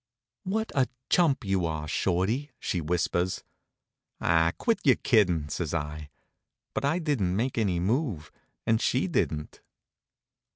"What a chump you are, Shorty!" she whispers. "Ah, quit your kiddin'," says I. But I didn't make any move, and she didn't.